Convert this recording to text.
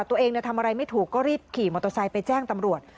ตัวเองทำอะไรไม่ถูกก็รีบขี่มอเตอร์ไซค์ไปแจ้งตำรวจ